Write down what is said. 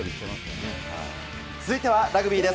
続いてはラグビーです。